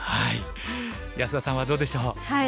安田さんはどうでしょう？